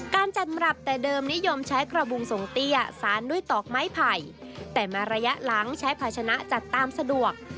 การจัดมรับแต่เดิมนิยมใช้กระบุงส่งเตี้ยสารด้วยตอกไม้ไผ่แต่มาระยะหลังใช้ภาชนะจัดตามสะดวก